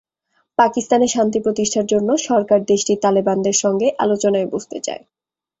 পাকিস্তানে শান্তি প্রতিষ্ঠার জন্য সরকার দেশটির তালেবানদের সঙ্গে আলোচনায় বসতে চায়।